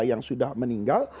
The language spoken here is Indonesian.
yang sudah meninggal